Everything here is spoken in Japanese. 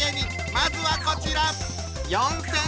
まずはこちら。